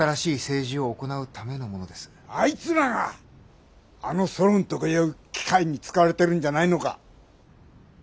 あいつらがあのソロンとかいう機械に使われてるんじゃないのか！